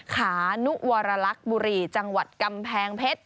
ขานุวรรลักษณ์บุรีจังหวัดกำแพงเพชร